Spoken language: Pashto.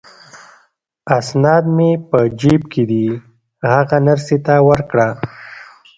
اسناد مې په جیب کې دي، هغه نرسې ته ورکړه.